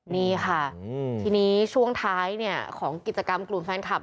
นี่ค่ะทีนี้ช่วงท้ายของกิจกรรมกลุ่มแฟนคลับ